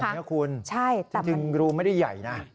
นี่คุณจริงรูไม่ได้ใหญ่นะ